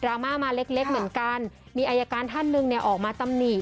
รามาเล็กเหมือนกันมีอายการท่านหนึ่งเนี่ยออกมาตำหนิ